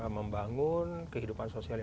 membangun kehidupan sosialnya